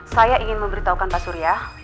saya ingin memberitahukan pak surya